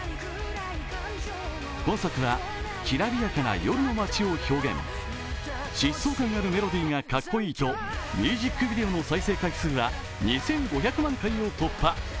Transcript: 今作は、きらびやかな夜の街を表現疾走感あるメロディーがかっこいいとミュージックビデオの再生回数は２５００万回を突破。